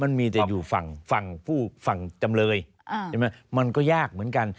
มันมีแต่อยู่ฝั่งจำเลยมันก็ยากเหมือนกัน